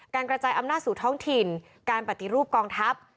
กระจายอำนาจสู่ท้องถิ่นการปฏิรูปกองทัพ